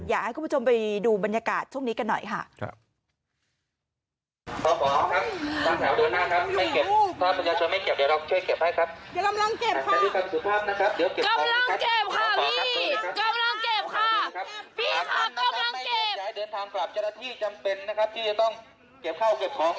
อยากให้คุณผู้ชมไปดูบรรยากาศช่วงนี้กันหน่อยค่ะ